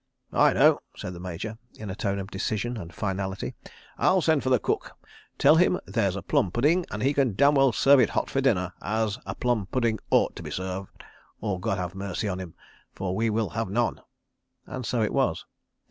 "I know," said the Major, in a tone of decision and finality. "I'll send for the cook, tell him there's a plum pudding, an' he can dam' well serve it hot for dinner as a plum pudding ought to be served—or God have mercy on him, for we will have none. ..." And so it was.